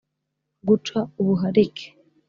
guca ubuharike